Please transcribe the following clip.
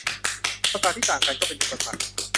ภาษาที่ต่างกันก็เป็นอุปสรรค